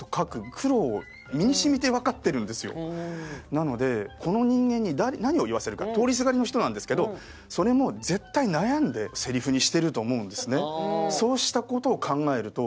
なのでこの人間に何を言わせるか通りすがりの人なんですけどそれも絶対悩んでセリフにしてると思うんですね。